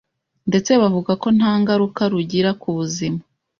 ndetse bavuga ko nta ngaruka rugira ku buzima.